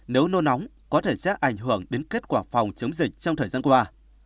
nếu nô nóng có thể sẽ ảnh hưởng đến kết quả phòng chống dịch trong thời gian qua